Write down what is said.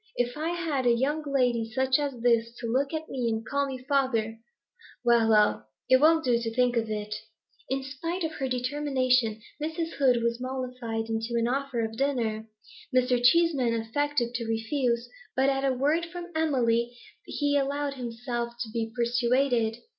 If I had a young lady such as this to look at me and call me father well, well, it won't do to think of it.' In spite of her determination, Mrs. Hoed was mollified into an offer of dinner. Mr. Cheeseman affected to refuse, but at a word from Emily he allowed himself to be persuaded.